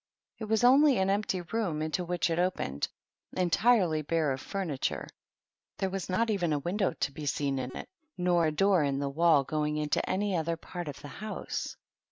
It was only an empty room into which it opened, entirely bare of furniture; there was not even a window to be seen in it, nor a door in the wall going into any other part of the house.